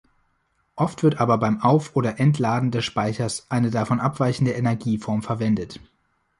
Oft wird aber beim Auf- oder Entladen des Speichers eine davon abweichende Energieform verwendet.